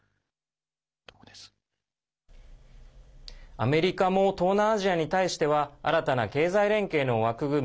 アメリカも東南アジアに対しては新たな経済連携の枠組み